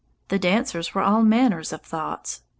The dancers were all manner of thoughts.